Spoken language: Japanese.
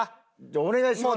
お願いします。